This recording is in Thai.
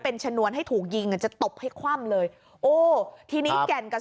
เป็นชนวนให้ถูกยิงอ่ะจะตบให้คว่ำเลยโอ้ทีนี้แก่นกับ